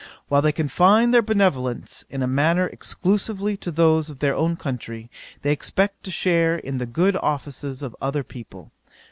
"While they confine their benevolence, in a manner, exclusively to those of their own country, they expect to share in the good offices of other people.